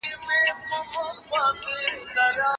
خو دا کوچنۍ تیږې د ځمکې په اتموسفیر کې ایره کېږي.